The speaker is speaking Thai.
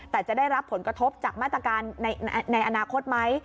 แต่จะได้รับผลกระทบจากมาตรการในอนาคตไหม